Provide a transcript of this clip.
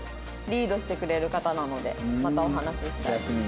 「リードしてくれる方なのでまたお話ししたい」